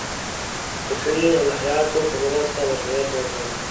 حشوي الهیاتو په مرسته مشروعیت ورکړ.